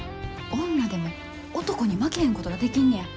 女でも男に負けへんことができんねや。